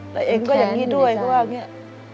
แต่เองก็อย่างนี้ด้วย